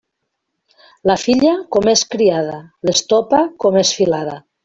La filla, com és criada; l'estopa, com és filada.